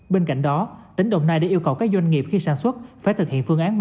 bên cạnh đó tỉnh đồng nai đã yêu cầu các doanh nghiệp khi sản xuất phải thực hiện phương án ba